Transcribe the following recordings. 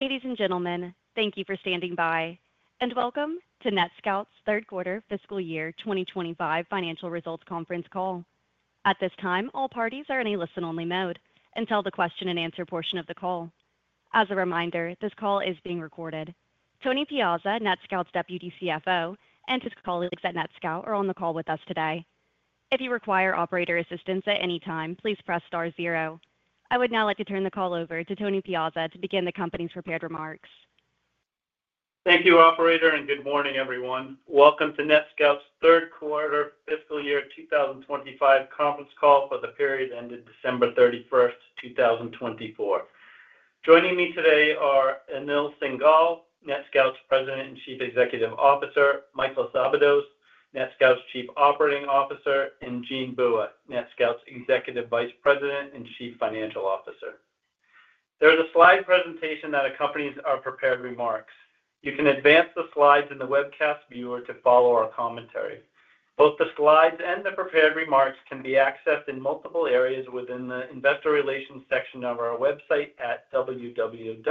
Ladies and gentlemen, thank you for standing by, and welcome to NetScout's third quarter fiscal year 2025 financial results conference call. At this time, all parties are in a listen-only mode until the question-and-answer portion of the call. As a reminder, this call is being recorded. Tony Piazza, NetScout's Deputy CFO, and his colleagues at NetScout are on the call with us today. If you require operator assistance at any time, please press star zero. I would now like to turn the call over to Tony Piazza to begin the company's prepared remarks. Thank you, Operator, and good morning, everyone. Welcome to NetScout's Third Quarter fiscal year 2025 conference call for the period ended December 31st, 2024. Joining me today are Anil Singhal, NetScout's President and Chief Executive Officer, Michael Szabados, NetScout's Chief Operating Officer, and Jean Bua, NetScout's Executive Vice President and Chief Financial Officer. There is a slide presentation that accompanies our prepared remarks. You can advance the slides in the webcast viewer to follow our commentary. Both the slides and the prepared remarks can be accessed in multiple areas within the Investor Relations section of our website at www.netscout.com,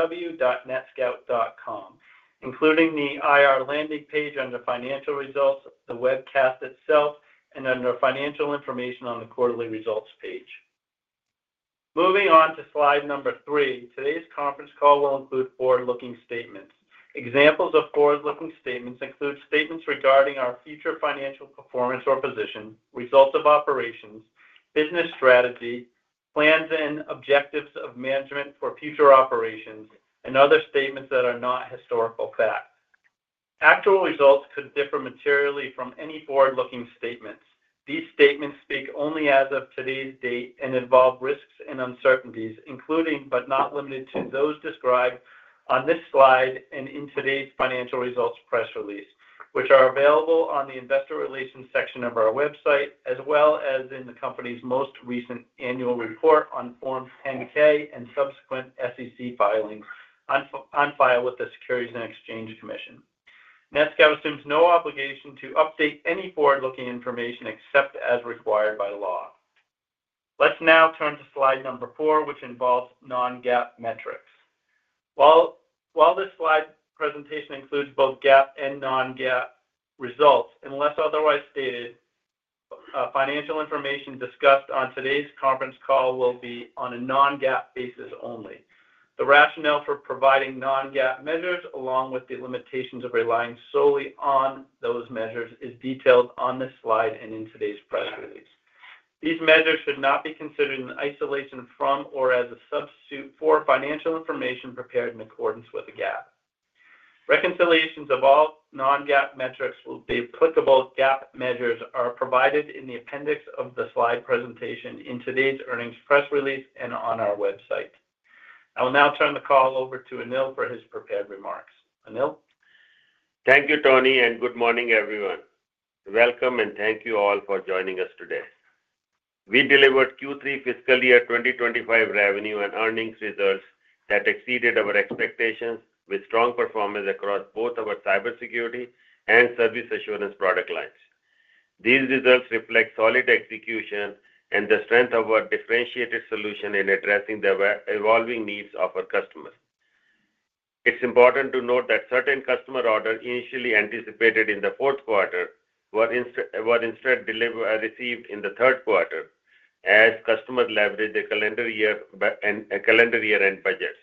including the IR landing page under Financial Results, the webcast itself, and under Financial Information on the Quarterly Results page. Moving on to slide number three, today's conference call will include forward-looking statements. Examples of forward-looking statements include statements regarding our future financial performance or position, results of operations, business strategy, plans and objectives of management for future operations, and other statements that are not historical facts. Actual results could differ materially from any forward-looking statements. These statements speak only as of today's date and involve risks and uncertainties, including, but not limited to, those described on this slide and in today's financial results press release, which are available on the Investor Relations section of our website, as well as in the company's most recent annual report on Form 10-K and subsequent SEC filings on file with the Securities and Exchange Commission. NetScout assumes no obligation to update any forward-looking information except as required by law. Let's now turn to slide number four, which involves non-GAAP metrics. While this slide presentation includes both GAAP and non-GAAP results, unless otherwise stated, financial information discussed on today's conference call will be on a non-GAAP basis only. The rationale for providing non-GAAP measures, along with the limitations of relying solely on those measures, is detailed on this slide and in today's press release. These measures should not be considered in isolation from or as a substitute for financial information prepared in accordance with GAAP. Reconciliations of all non-GAAP metrics to applicable GAAP measures are provided in the appendix of the slide presentation, in today's earnings press release, and on our website. I will now turn the call over to Anil for his prepared remarks. Anil. Thank you, Tony, and good morning, everyone. Welcome, and thank you all for joining us today. We delivered Q3 fiscal year 2025 revenue and earnings results that exceeded our expectations, with strong performance across both our cybersecurity and service assurance product lines. These results reflect solid execution and the strength of our differentiated solution in addressing the evolving needs of our customers. It's important to note that certain customer orders initially anticipated in the fourth quarter were instead received in the third quarter, as customers leveraged their calendar year-end budgets.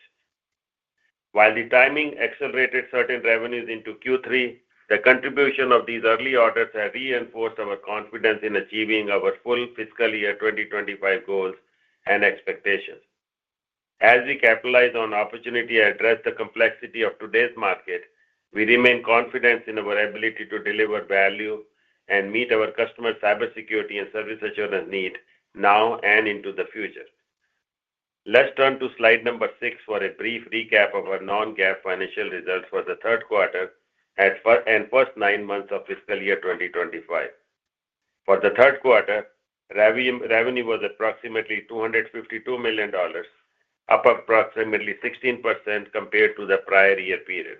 While the timing accelerated certain revenues into Q3, the contribution of these early orders has reinforced our confidence in achieving our full fiscal year 2025 goals and expectations. As we capitalize on opportunity to address the complexity of today's market, we remain confident in our ability to deliver value and meet our customers' cybersecurity and service assurance needs now and into the future. Let's turn to slide number six for a brief recap of our non-GAAP financial results for the third quarter and first nine months of fiscal year 2025. For the third quarter, revenue was approximately $252 million, up approximately 16% compared to the prior year period.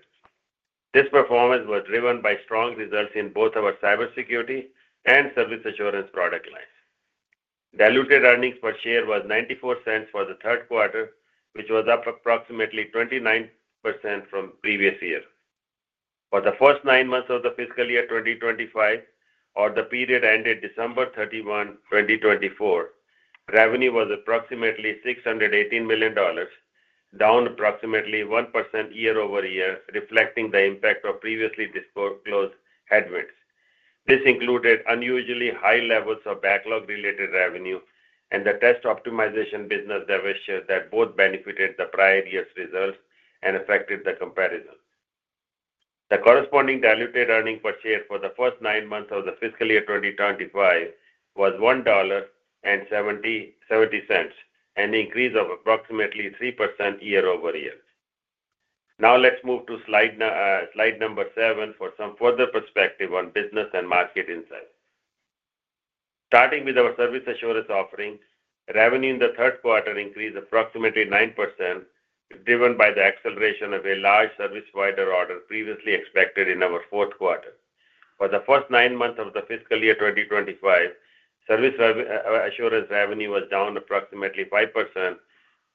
This performance was driven by strong results in both our cybersecurity and service assurance product lines. Diluted earnings per share was $0.94 for the third quarter, which was up approximately 29% from previous year. For the first nine months of the fiscal year 2025, or the period ended December 31, 2024, revenue was approximately $618 million, down approximately 1% year-over-year, reflecting the impact of previously disclosed headwinds. This included unusually high levels of backlog-related revenue and the Test Optimization business divestitures that both benefited the prior year's results and affected the comparison. The corresponding diluted earnings per share for the first nine months of the fiscal year 2025 was $1.70, an increase of approximately 3% year-over-year. Now let's move to slide number seven for some further perspective on business and market insights. Starting with our service assurance offering, revenue in the third quarter increased approximately 9%, driven by the acceleration of a large service provider order previously expected in our fourth quarter. For the first nine months of the fiscal year 2025, service assurance revenue was down approximately 5%,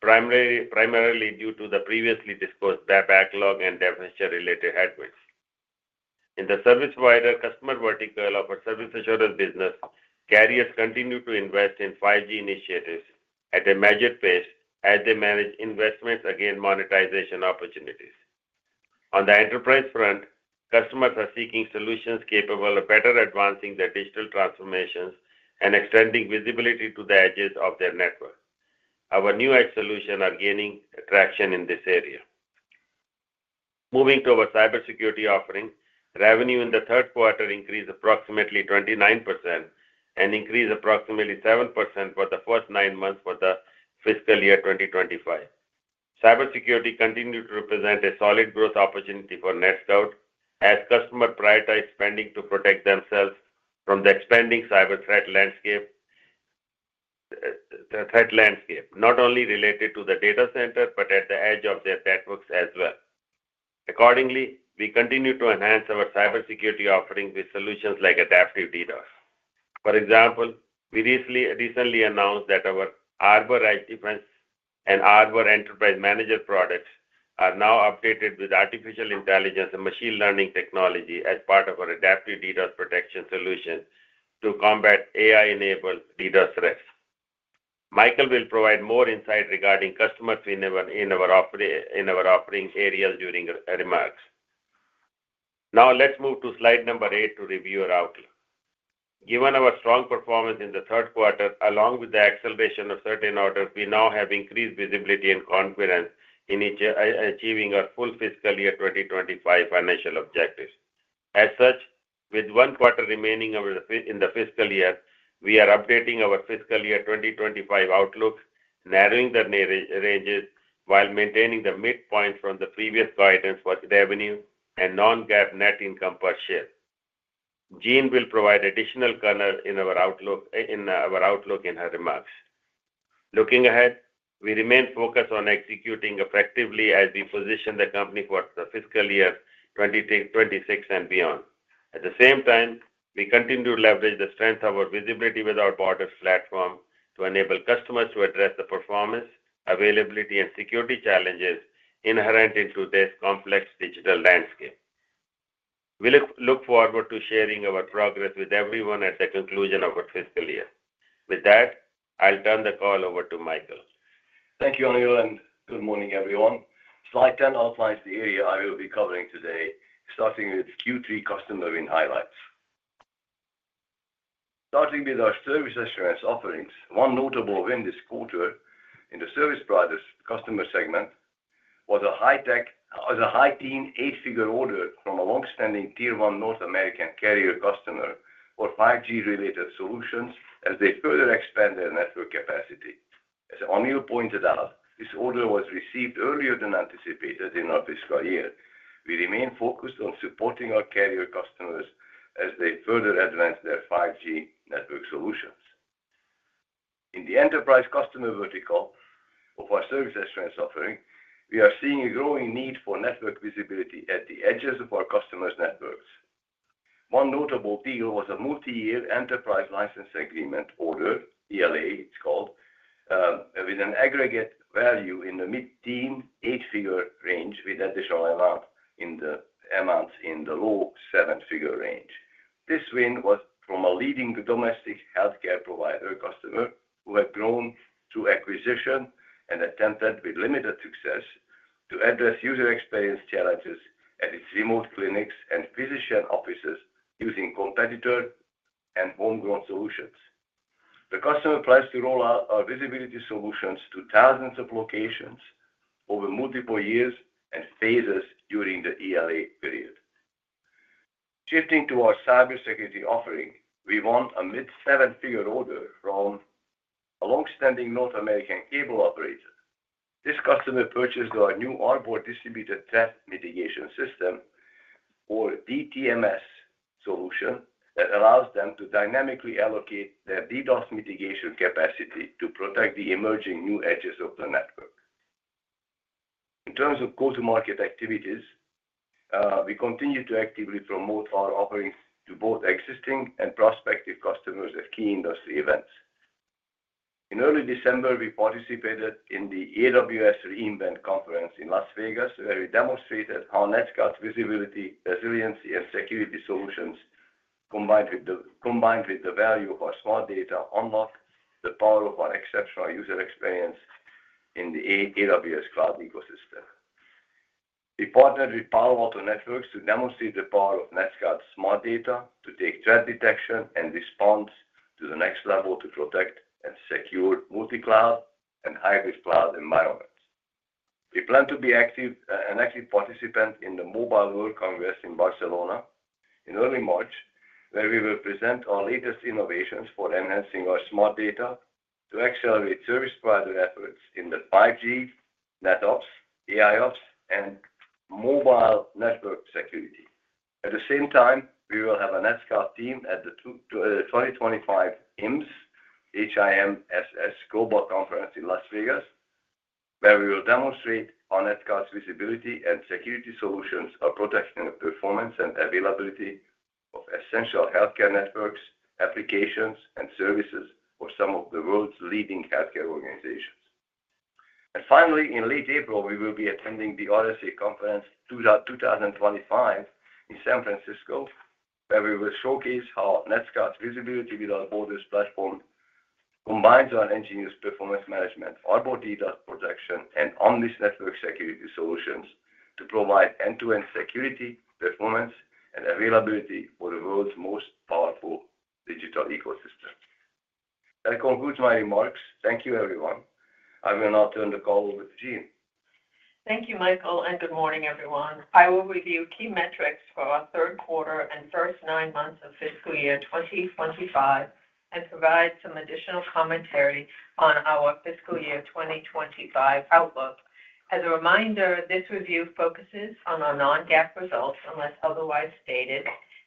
primarily due to the previously disclosed backlog and divestiture-related headwinds. In the service provider customer vertical of our service assurance business, carriers continue to invest in 5G initiatives at a measured pace as they manage investments against monetization opportunities. On the enterprise front, customers are seeking solutions capable of better advancing their digital transformations and extending visibility to the edges of their network. Our new edge solutions are gaining traction in this area. Moving to our cybersecurity offering, revenue in the third quarter increased approximately 29% and increased approximately 7% for the first nine months of the fiscal year 2025. Cybersecurity continued to represent a solid growth opportunity for NetScout as customers prioritized spending to protect themselves from the expanding cyber threat landscape, not only related to the data center but at the edge of their networks as well. Accordingly, we continue to enhance our cybersecurity offering with solutions like Adaptive DDoS. For example, we recently announced that our Arbor Edge Defense and Arbor Enterprise Manager products are now updated with artificial intelligence and machine learning technology as part of our Adaptive DDoS protection solution to combat AI-enabled DDoS threats. Michael will provide more insight regarding customers in our offering area during remarks. Now let's move to slide number eight to review our outlook. Given our strong performance in the third quarter, along with the acceleration of certain orders, we now have increased visibility and confidence in achieving our full fiscal year 2025 financial objectives. As such, with one quarter remaining in the fiscal year, we are updating our fiscal year 2025 outlook, narrowing the ranges while maintaining the midpoint from the previous guidance for revenue and non-GAAP net income per share. Jean will provide additional color in our outlook in her remarks. Looking ahead, we remain focused on executing effectively as we position the company for the fiscal year 2026 and beyond. At the same time, we continue to leverage the strength of our Visibility Without Borders platform to enable customers to address the performance, availability, and security challenges inherent in today's complex digital landscape. We look forward to sharing our progress with everyone at the conclusion of our fiscal year. With that, I'll turn the call over to Michael. Thank you, Anil, and good morning, everyone. Slide 10 outlines the area I will be covering today, starting with Q3 customer win highlights. Starting with our service assurance offerings, one notable win this quarter in the service provider customer segment was a high-teen, eight-figure order from a long-standing Tier 1 North American carrier customer for 5G-related solutions as they further expand their network capacity. As Anil pointed out, this order was received earlier than anticipated in our fiscal year. We remain focused on supporting our carrier customers as they further advance their 5G network solutions. In the enterprise customer vertical of our service assurance offering, we are seeing a growing need for network visibility at the edges of our customers' networks. One notable deal was a multi-year enterprise license agreement order, ELA, it's called, with an aggregate value in the mid-teen eight-figure range, with additional amounts in the low seven-figure range. This win was from a leading domestic healthcare provider customer who had grown through acquisition and attempted, with limited success, to address user experience challenges at its remote clinics and physician offices using competitor and home-grown solutions. The customer plans to roll out our visibility solutions to thousands of locations over multiple years and phases during the ELA period. Shifting to our cybersecurity offering, we won a mid-seven-figure order from a long-standing North American cable operator. This customer purchased our new Arbor Distributed Threat Mitigation System or DTMS solution, that allows them to dynamically allocate their DDoS mitigation capacity to protect the emerging new edges of the network. In terms of go-to-market activities, we continue to actively promote our offerings to both existing and prospective customers at key industry events. In early December, we participated in the AWS re:Invent conference in Las Vegas, where we demonstrated how NetScout's visibility, resiliency, and security solutions combined with the value of our Smart Data unlock the power of our exceptional user experience in the AWS Cloud ecosystem. We partnered with Palo Alto Networks to demonstrate the power of NetScout's smart data to take threat detection and response to the next level to protect and secure multi-cloud and hybrid cloud environments. We plan to be an active participant in the Mobile World Congress in Barcelona in early March, where we will present our latest innovations for enhancing our smart data to accelerate service provider efforts in the 5G, NetOps, AIOps, and mobile network security. At the same time, we will have a NetScout team at the 2025 HIMSS Global Conference in Las Vegas, where we will demonstrate how NetScout's visibility and security solutions are protecting the performance and availability of essential healthcare networks, applications, and services for some of the world's leading healthcare organizations. And finally, in late April, we will be attending the RSA Conference 2025 in San Francisco, where we will showcase how NetScout's Visibility Without Borders platform combines our nGenius performance management, Arbor DDoS protection, and Omnis Network Security solutions to provide end-to-end security, performance, and availability for the world's most powerful digital ecosystem. That concludes my remarks. Thank you, everyone. I will now turn the call over to Jean. Thank you, Michael, and good morning, everyone. I will review key metrics for our third quarter and first nine months of fiscal year 2025 and provide some additional commentary on our fiscal year 2025 outlook. As a reminder, this review focuses on our non-GAAP results, unless otherwise stated,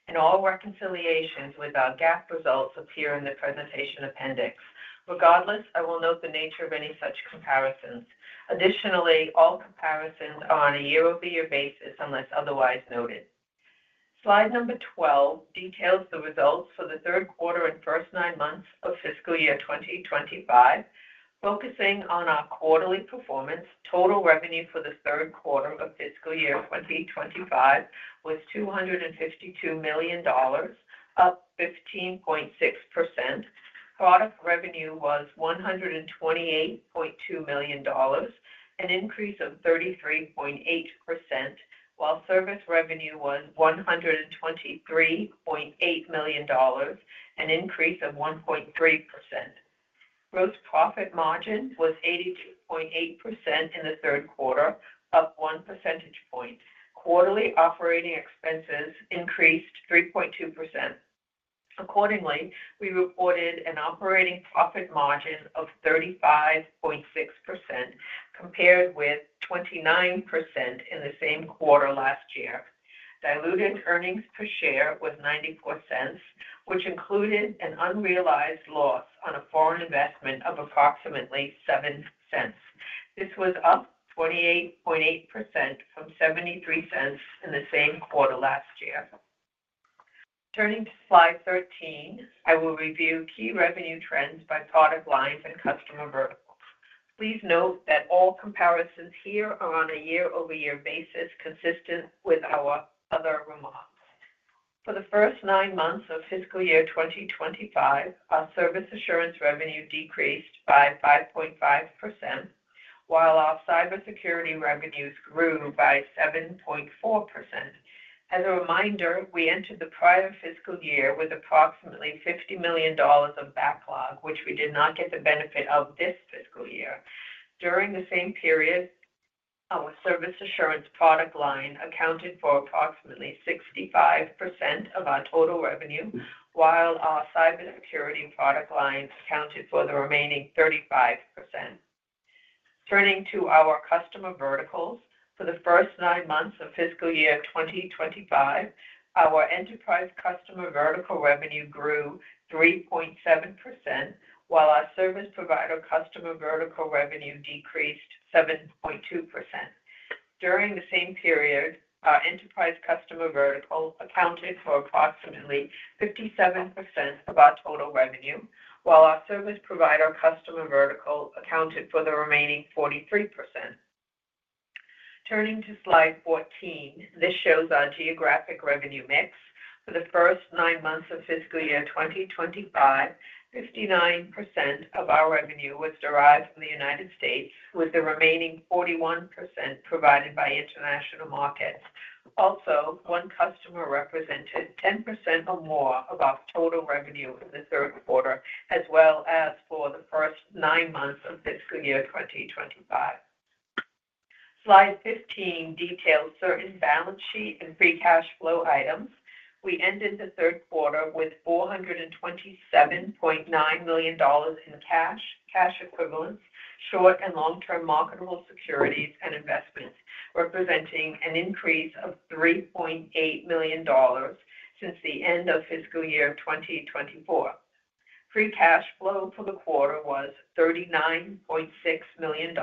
and all reconciliations with our GAAP results appear in the presentation appendix. Regardless, I will note the nature of any such comparisons. Additionally, all comparisons are on a year-over-year basis, unless otherwise noted. Slide number 12 details the results for the third quarter and first nine months of fiscal year 2025, focusing on our quarterly performance. Total revenue for the third quarter of fiscal year 2025 was $252 million, up 15.6%. Product revenue was $128.2 million, an increase of 33.8%, while service revenue was $123.8 million, an increase of 1.3%. Gross profit margin was 82.8% in the third quarter, up 1 percentage point. Quarterly operating expenses increased 3.2%. Accordingly, we reported an operating profit margin of 35.6%, compared with 29% in the same quarter last year. Diluted earnings per share was $0.94, which included an unrealized loss on a foreign investment of approximately $0.07. This was up 28.8% from $0.73 in the same quarter last year. Turning to slide 13, I will review key revenue trends by product lines and customer verticals. Please note that all comparisons here are on a year-over-year basis, consistent with our other remarks. For the first nine months of fiscal year 2025, our service assurance revenue decreased by 5.5%, while our cybersecurity revenues grew by 7.4%. As a reminder, we entered the prior fiscal year with approximately $50 million of backlog, which we did not get the benefit of this fiscal year. During the same period, our service assurance product line accounted for approximately 65% of our total revenue, while our cybersecurity product line accounted for the remaining 35%. Turning to our customer verticals, for the first nine months of fiscal year 2025, our enterprise customer vertical revenue grew 3.7%, while our service provider customer vertical revenue decreased 7.2%. During the same period, our enterprise customer vertical accounted for approximately 57% of our total revenue, while our service provider customer vertical accounted for the remaining 43%. Turning to slide 14, this shows our geographic revenue mix. For the first nine months of fiscal year 2025, 59% of our revenue was derived from the United States, with the remaining 41% provided by international markets. Also, one customer represented 10% or more of our total revenue in the third quarter, as well as for the first nine months of fiscal year 2025. Slide 15 details certain balance sheet and free cash flow items. We ended the third quarter with $427.9 million in cash, cash equivalents, short and long-term marketable securities, and investments, representing an increase of $3.8 million since the end of fiscal year 2024. Free cash flow for the quarter was $39.6 million.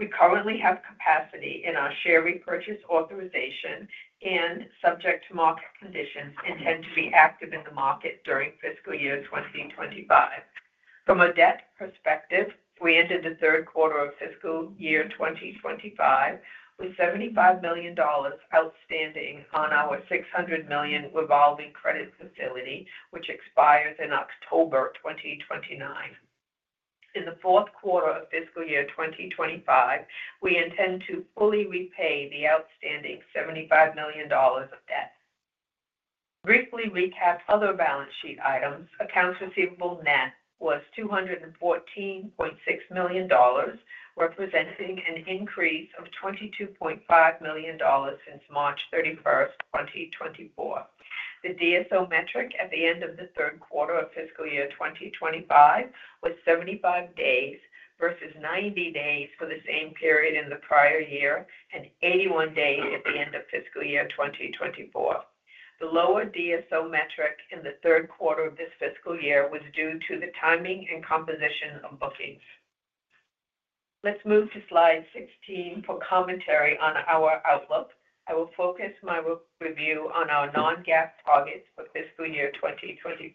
We currently have capacity in our share repurchase authorization and subject to market conditions intended to be active in the market during fiscal year 2025. From a debt perspective, we ended the third quarter of fiscal year 2025 with $75 million outstanding on our $600 million revolving credit facility, which expires in October 2029. In the fourth quarter of fiscal year 2025, we intend to fully repay the outstanding $75 million of debt. Briefly recap other balance sheet items. Accounts receivable net was $214.6 million, representing an increase of $22.5 million since March 31, 2024. The DSO metric at the end of the third quarter of fiscal year 2025 was 75 days versus 90 days for the same period in the prior year and 81 days at the end of fiscal year 2024. The lower DSO metric in the third quarter of this fiscal year was due to the timing and composition of bookings. Let's move to slide 16 for commentary on our outlook. I will focus my review on our non-GAAP targets for fiscal year 2025.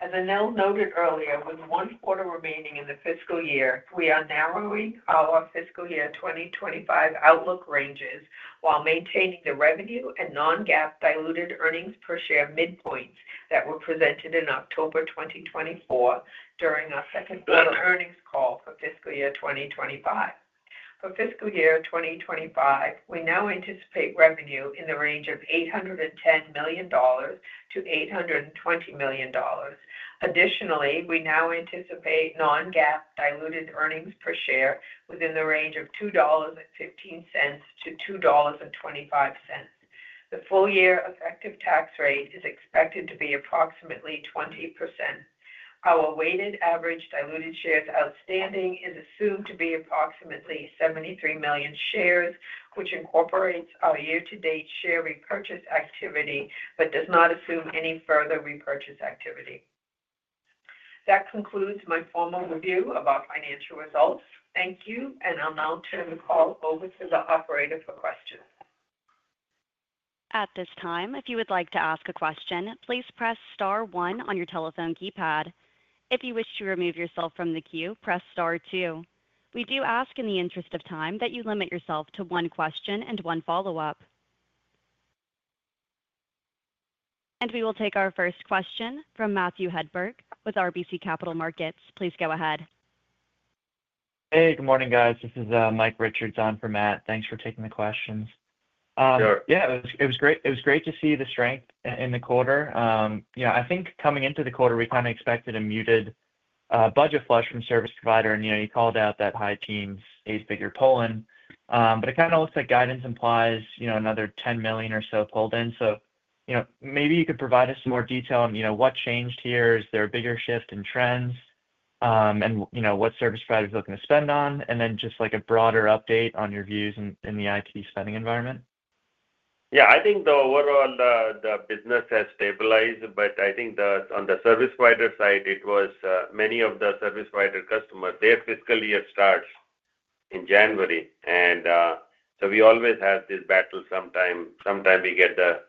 As Anil noted earlier, with one quarter remaining in the fiscal year, we are narrowing our fiscal year 2025 outlook ranges while maintaining the revenue and non-GAAP diluted earnings per share midpoints that were presented in October 2024 during our second quarter earnings call for fiscal year 2025. For fiscal year 2025, we now anticipate revenue in the range of $810 million-$820 million. Additionally, we now anticipate non-GAAP diluted earnings per share within the range of $2.15-$2.25. The full year effective tax rate is expected to be approximately 20%. Our weighted average diluted shares outstanding is assumed to be approximately 73 million shares, which incorporates our year-to-date share repurchase activity but does not assume any further repurchase activity. That concludes my formal review of our financial results. Thank you, and I'll now turn the call over to the operator for questions. At this time, if you would like to ask a question, please press Star 1 on your telephone keypad. If you wish to remove yourself from the queue, press Star 2. We do ask in the interest of time that you limit yourself to one question and one follow-up. And we will take our first question from Matthew Hedberg with RBC Capital Markets. Please go ahead. Hey, good morning, guys. This is Mike Richards on for Matt. Thanks for taking the questions. Sure. Yeah, it was great to see the strength in the quarter. I think coming into the quarter, we kind of expected a muted budget flush from service provider, and you called out that high-teens eight-figure pull-in. But it kind of looks like guidance implies another $10 million or so pulled in. So maybe you could provide us some more detail on what changed here. Is there a bigger shift in trends? And what service providers are looking to spend on? And then just a broader update on your views in the IT spending environment. Yeah, I think the overall business has stabilized, but I think on the service provider side, many of the service provider customers, their fiscal year starts in January, and so we always have this battle sometimes. Sometimes we get our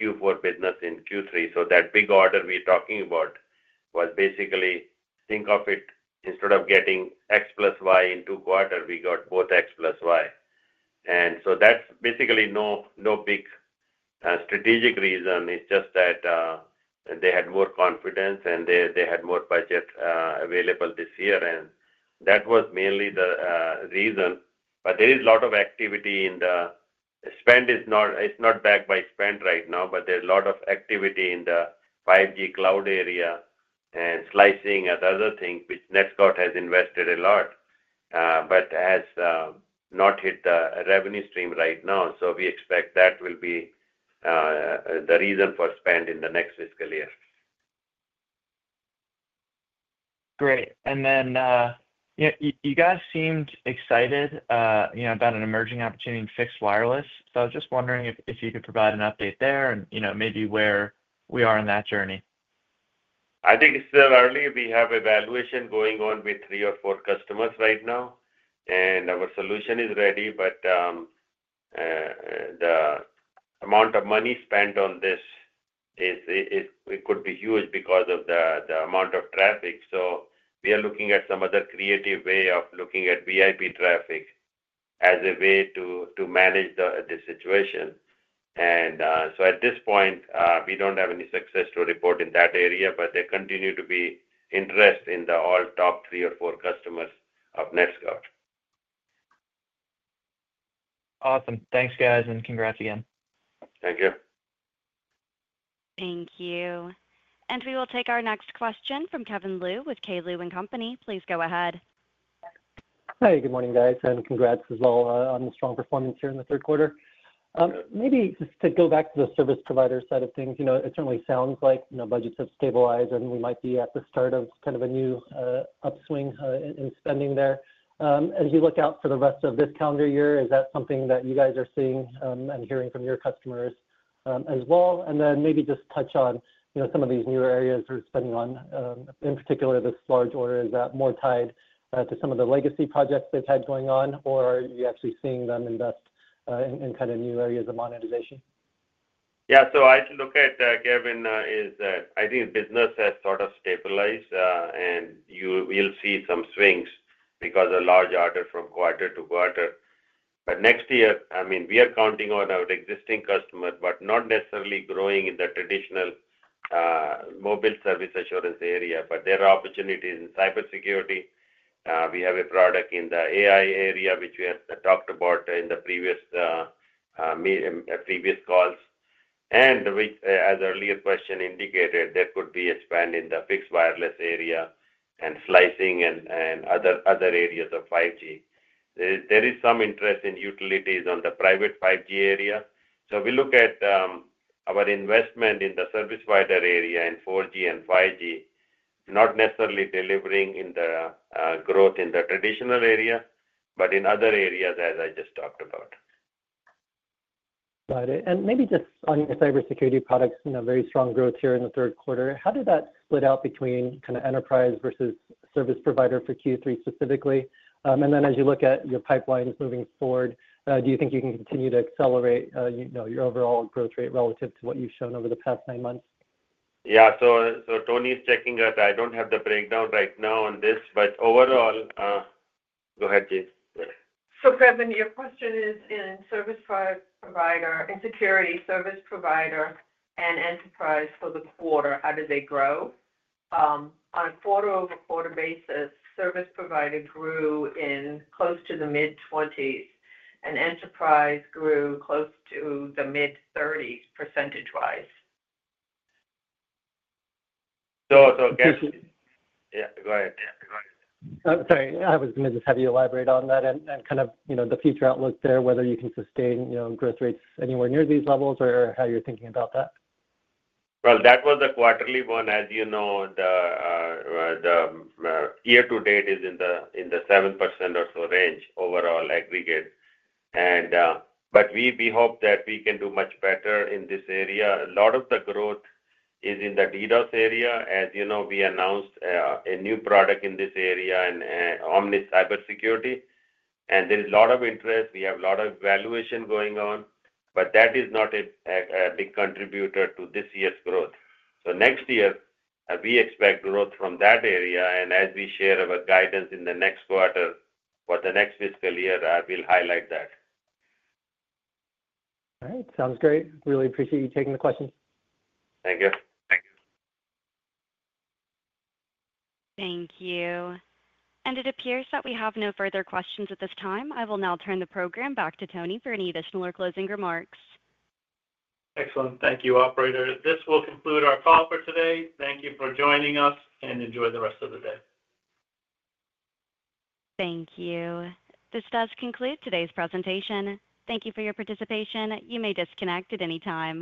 Q4 business in Q3. So that big order we're talking about was basically, think of it instead of getting X plus Y in two quarters, we got both X plus Y, and so that's basically no big strategic reason. It's just that they had more confidence and they had more budget available this year, and that was mainly the reason. But there is a lot of activity in the spend. It's not backed by spend right now, but there's a lot of activity in the 5G cloud area and slicing and other things, which NetScout has invested a lot, but has not hit the revenue stream right now. We expect that will be the reason for spend in the next fiscal year. Great, and then you guys seemed excited about an emerging opportunity in fixed wireless, so I was just wondering if you could provide an update there and maybe where we are in that journey? I think it's still early. We have evaluation going on with three or four customers right now, and our solution is ready. But the amount of money spent on this could be huge because of the amount of traffic. So we are looking at some other creative way of looking at VIP traffic as a way to manage the situation. And so at this point, we don't have any success to report in that area, but there continues to be interest in our top three or four customers of NetScout. Awesome. Thanks, guys, and congrats again. Thank you. Thank you. And we will take our next question from Kevin Liu with K. Liu & Company. Please go ahead. Hi, good morning, guys, and congrats as well on the strong performance here in the third quarter. Maybe just to go back to the service provider side of things, it certainly sounds like budgets have stabilized, and we might be at the start of kind of a new upswing in spending there. As you look out for the rest of this calendar year, is that something that you guys are seeing and hearing from your customers as well? And then maybe just touch on some of these newer areas they're spending on. In particular, this large order, is that more tied to some of the legacy projects they've had going on, or are you actually seeing them invest in kind of new areas of monetization? Yeah, so I look at Kevin. I think business has sort of stabilized, and we'll see some swings because of a large order from quarter to quarter. But next year, I mean, we are counting on our existing customers, but not necessarily growing in the traditional mobile service assurance area. But there are opportunities in cybersecurity. We have a product in the AI area, which we have talked about in the previous calls. And as earlier question indicated, there could be a spend in the fixed wireless area and slicing and other areas of 5G. There is some interest in utilities on the private 5G area. So we look at our investment in the service provider area in 4G and 5G, not necessarily delivering in the growth in the traditional area, but in other areas, as I just talked about. Got it. And maybe just on your cybersecurity products, very strong growth here in the third quarter. How did that split out between kind of enterprise versus service provider for Q3 specifically? And then as you look at your pipelines moving forward, do you think you can continue to accelerate your overall growth rate relative to what you've shown over the past nine months? Yeah, so Tony is checking that. I don't have the breakdown right now on this, but overall, go ahead, Jean. So Kevin, your question is in service provider, in security, service provider, and enterprise for the quarter. How did they grow? On a quarter-over-quarter basis, service provider grew close to the mid-20s, and enterprise grew close to the mid-30s percentage-wise. So, yeah, go ahead. Sorry, I was going to just have you elaborate on that and kind of the future outlook there, whether you can sustain growth rates anywhere near these levels or how you're thinking about that? Well, that was the quarterly one. As you know, the year-to-date is in the 7% or so range overall aggregate. But we hope that we can do much better in this area. A lot of the growth is in the DDoS area. As you know, we announced a new product in this area, Omnis Cybersecurity. And there is a lot of interest. We have a lot of evaluation going on, but that is not a big contributor to this year's growth. So next year, we expect growth from that area. And as we share our guidance in the next quarter for the next fiscal year, I will highlight that. All right. Sounds great. Really appreciate you taking the questions. Thank you. Thank you. And it appears that we have no further questions at this time. I will now turn the program back to Tony for any additional or closing remarks. Excellent. Thank you, operator. This will conclude our call for today. Thank you for joining us, and enjoy the rest of the day. Thank you. This does conclude today's presentation. Thank you for your participation. You may disconnect at any time.